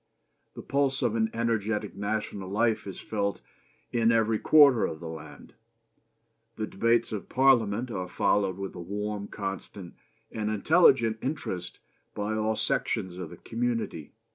The pulse of an energetic national life is felt in every quarter of the land. The debates of Parliament are followed with a warm, constant, and intelligent interest by all sections of the community.